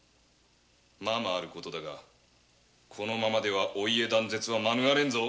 ままある事だがこのままではお家断絶は免れぬぞ。